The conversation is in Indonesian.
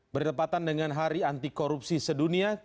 berdepatan dengan hari antikorupsi sedunia